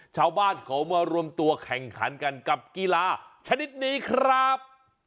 ชาวบ้านเขามารวมตัวแข่งขันกันกับกีฬาชนิดนี้ครับ